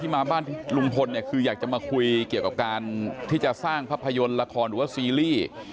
มาบ้านที่ลุงพลคือมาคุยกับการที่จะสร้างภาพยนตร์ละครหรือว่าซีรี่ส์